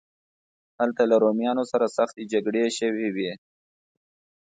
هلته له رومیانو سره سختې جګړې شوې وې.